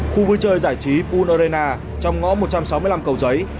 khu vui chơi giải trí pool arena trong ngõ một trăm sáu mươi năm cầu giấy